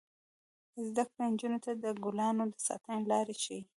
زده کړه نجونو ته د ګلانو د ساتنې لارې ښيي.